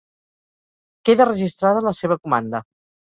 Queda registrada la seva comanda.